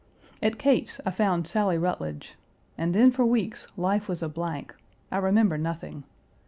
At Kate's, I found Sally Rutledge, and then for weeks life was a blank; I remember nothing.